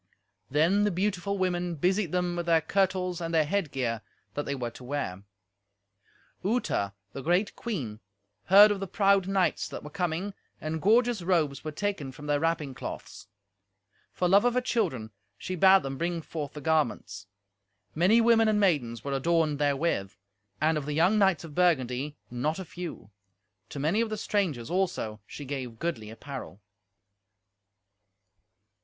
Then the beautiful women busied them with their kirtles and their headgear that they were to wear. Uta, the great queen, heard of the proud knights that were coming, and gorgeous robes were taken from their wrapping cloths. For love of her children she bade them bring forth the garments. Many women and maidens were adorned therewith, and, of the young knights of Burgundy, not a few. To many of the strangers, also, she gave goodly apparel.